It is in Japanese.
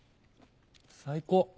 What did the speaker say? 最高！